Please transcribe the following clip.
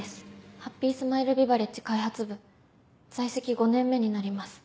ハッピースマイルビバレッジ開発部在籍５年目になります。